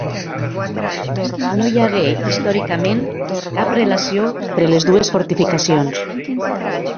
No hi hagué històricament cap relació entre les dues fortificacions.